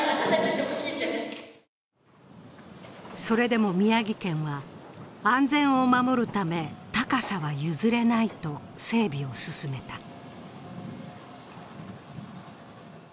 それでも宮城県は、安全を守るため高さは譲れないと、整備を進めた。